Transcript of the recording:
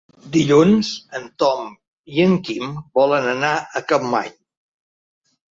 Dilluns en Tom i en Quim volen anar a Capmany.